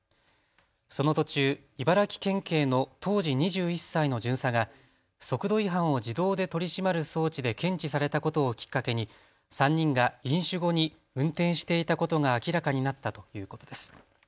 その途中、茨城県警の当時２１歳の巡査が速度違反を自動で取り締まる装置で検知されたことをきっかけに３人が飲酒後に運転していたことが明らかになったということです。